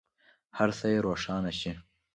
هر څه یې روښانه شي.